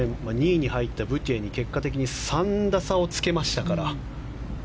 ２位に入ったブティエに結果的に３打差をつけましたから。